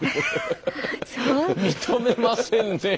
認めませんね。